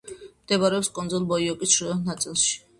მდებარეობს კუნძულ ბიოკოს ჩრდილოეთ ნაწილში.